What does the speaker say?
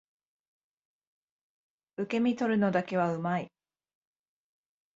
受け身取るのだけは上手い